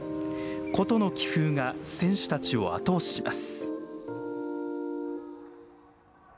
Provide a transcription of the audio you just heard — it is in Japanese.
古都の気風が選手たちを後押しします。